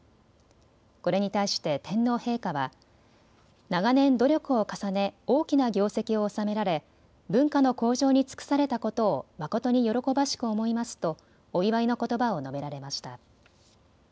これに対して天皇陛下は長年、努力を重ね大きな業績を収められ文化の向上に尽くされたことを誠に喜ばしく思いますとお祝いのことばを述べられました。